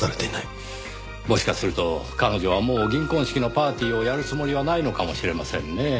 もしかすると彼女はもう銀婚式のパーティーをやるつもりはないのかもしれませんねぇ。